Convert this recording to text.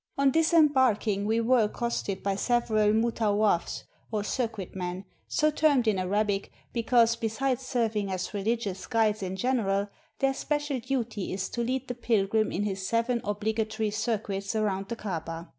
On disembarking we were accosted by several mutaw wafs, or circuit men, so termed in Arabic, because, be sides serving as religious guides in general, their special duty is to lead the pilgrim in his seven obligatory cir cuits around the Kabah.